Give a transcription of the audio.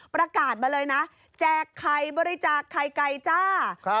ประกาศมาเลยนะแจกไข่บริจาคไข่ไก่จ้า